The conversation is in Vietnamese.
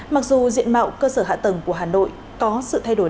mặc dù diện mạo cơ sở hạ tầng của hà nội có sự thay đổi